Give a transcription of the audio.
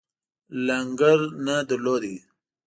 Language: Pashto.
لنګر نه درلود.